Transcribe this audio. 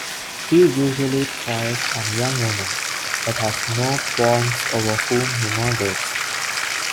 He usually preys on young women, but has no qualms over whom he murders.